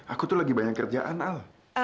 aku tuh lagi banyak kerjaan al